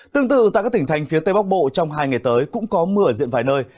tương tự tại các tỉnh thành phía tây bắc bộ trong hai ngày tới cũng có mưa ở diện vài nơi